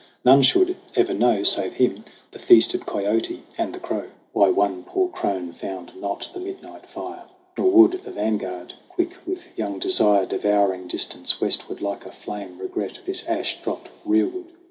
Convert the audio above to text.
None should ever know, Save him, the feasted kiote and the crow, THE CRAWL 79 Why one poor crone found not the midnight fire. Nor would the vanguard, quick with young de sire, Devouring distance westward like a flame, Regret this ash dropped rearward.